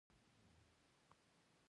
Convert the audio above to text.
د پکتیا په ډنډ پټان کې د سمنټو مواد شته.